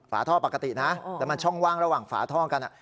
ฝาท่อปกตินะแล้วมันช่องว่างระหว่างฝาท่อกัน